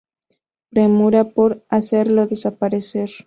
premura por hacerlo desaparecer